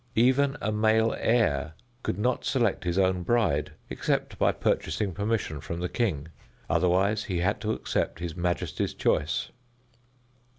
Even a male heir could not select his own bride except by purchasing permission from the king, otherwise he had to accept his majesty's choice.